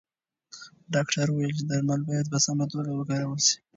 ډاکتر وویل چې درمل باید په سمه توګه وکارول شي.